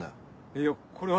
いやこれは。